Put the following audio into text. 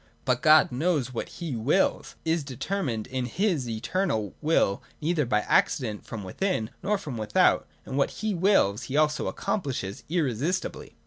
But God knows what he wills, is determined in his eternal will neither by accident from within nor from without, and what he wills he also accomplishes, irresistibly.